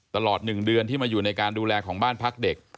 ตลอด๑เดือนที่มาอยู่ในการดูแลของบ้านพักเด็ก